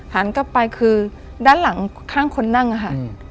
หันกลับไปคือด้านหลังข้างคนนั่งอะค่ะ